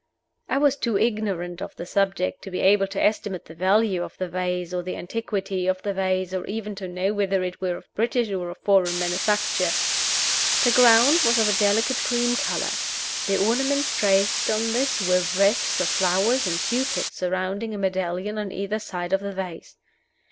I was too ignorant of the subject to be able to estimate the value of the vase or the antiquity of the vase, or even to know whether it were of British or of foreign manufacture. The ground was of a delicate cream color. The ornaments traced on this were wreaths of flowers and Cupids surrounding a medallion on either side of the vase.